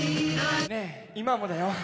「ねぇ、今もだよ」